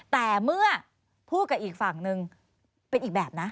แต่เมื่อพูดกับอีกฝั่งนึงเป็นอีกแบบนะ